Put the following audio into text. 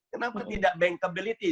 kenapa tidak bankability